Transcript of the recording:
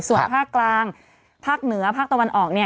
ส่วนภาคกลางภาคเหนือภาคตะวันออกเนี่ย